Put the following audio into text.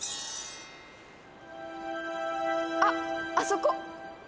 あっあそこ！